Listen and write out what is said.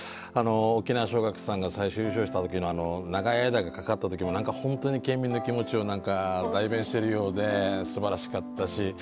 沖縄尚学さんが最初優勝した時の「長い間」がかかった時も本当に県民の気持ちを何か代弁してるようですばらしかったし。